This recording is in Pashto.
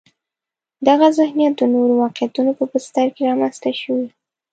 دغه ذهنیت د نورو واقعیتونو په بستر کې رامنځته شوی.